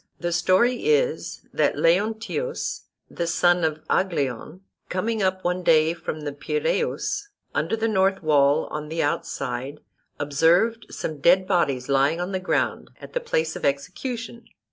The story is, that Leontius, the son of Aglaion, coming up one day from the Piraeus, under the north wall on the outside, observed some dead bodies lying on the ground at the place of execution.